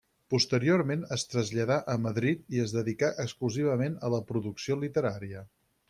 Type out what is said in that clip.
Posteriorment es traslladà a Madrid i es dedicà exclusivament a la producció literària.